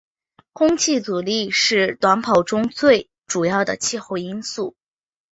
空气阻力是短跑中最主要的气候因素。